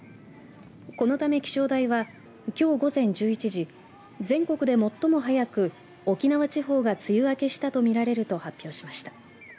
このため気象台はきょう午前１１時全国で最も早く沖縄地方が梅雨明けしたとみられると発表しました。